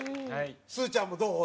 すずちゃんもどう？